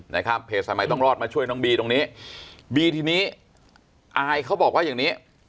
นะครับเพจสายใหม่ต้องรอดมาช่วยน้องบีตรงนี้บีทีนี้อายเขาบอกว่าอย่างนี้